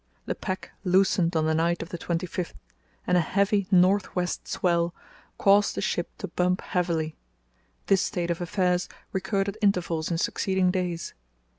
The pack loosened on the night of the 25th, and a heavy north west swell caused the ship to bump heavily. This state of affairs recurred at intervals in succeeding days.